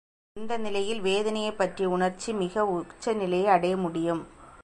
இந்த நிலையில் வேதனையைப் பற்றிய உணர்ச்சி மிக உச்ச நிலையை அடைய முடியும்.